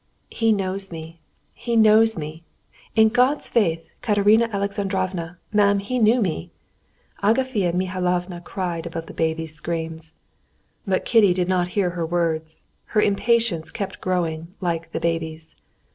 "He knows me, he knows me. In God's faith, Katerina Alexandrovna, ma'am, he knew me!" Agafea Mihalovna cried above the baby's screams. But Kitty did not hear her words. Her impatience kept growing, like the baby's.